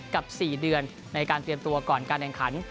๔เดือนในการเตรียมตัวก่อนการแข่งขัน